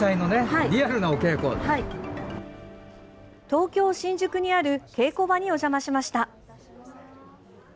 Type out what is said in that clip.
東京・新宿にある稽古場にお邪魔しました。